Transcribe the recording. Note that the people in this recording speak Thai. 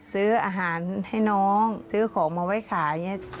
ซื้ออาหารให้น้องซื้อของมาไว้ขายอย่างนี้